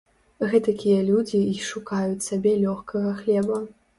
Гэтакія людзі й шукаюць сабе лёгкага хлеба.